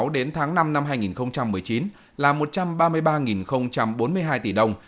đến tháng năm năm hai nghìn một mươi chín là một trăm ba mươi ba bốn mươi hai tỷ đồng